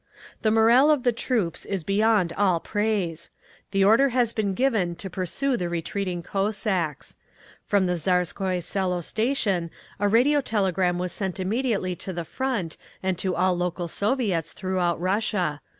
The morale of the troops is beyond all praise. The order has been given to pursue the retreating Cossacks. From the Tsarskoye Selo station a radio telegram was sent immediately to the Front and to all local Soviets throughout Russia.